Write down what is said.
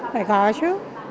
phải có chứ